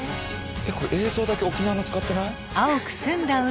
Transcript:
これ映像だけ沖縄の使ってない？